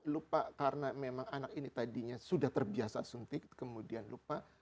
lupa karena memang anak ini tadinya sudah terbiasa suntik kemudian lupa